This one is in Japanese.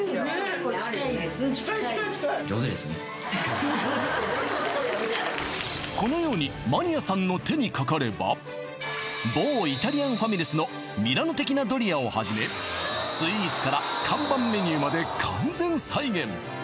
結構近いですこのように某イタリアンファミレスのミラノ的なドリアをはじめスイーツから看板メニューまで完全再現